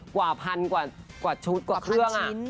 กว่าพันกว่าชุดกว่าเครื่อง